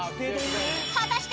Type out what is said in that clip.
［果たして］